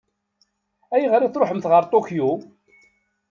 Ayɣer i tṛuḥemt ɣer Tokyo?